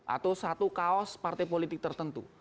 atau satu kaos partai politik tertentu